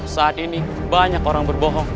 saat ini banyak orang berbohong